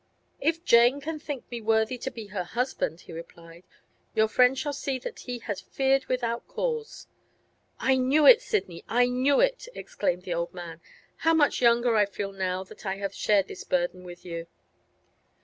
'If Jane can think me worthy to be her husband,' he replied, 'your friend shall see that he has feared without cause.' 'I knew it, Sidney; I knew it!' exclaimed the old man. 'How much younger I feel now that I have shared this burden with you!